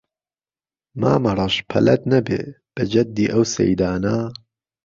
مامەڕەش پەلەت نەبێ بە جەددی ئەو سەیدانە